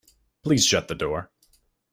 Please shut the door.